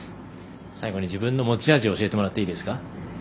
最後に自分の持ち味教えてもらっていいですか。